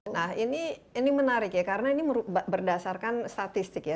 nah ini menarik ya karena ini berdasarkan statistik ya